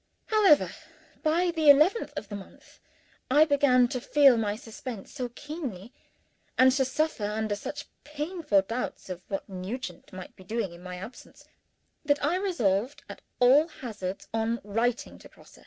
However, by the eleventh of the month, I began to feel my suspense so keenly, and to suffer under such painful doubts of what Nugent might be doing in my absence, that I resolved at all hazards on writing to Grosse.